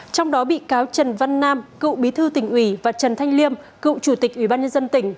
trong đó bị cáo trần văn nam cựu bí thư tỉnh ủy và trần thanh liêm cựu chủ tịch ủy ban nhân dân tỉnh